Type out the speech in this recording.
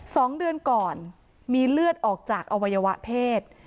สองเดือนก่อนมีเลือดออกจากอวัยวะเพศ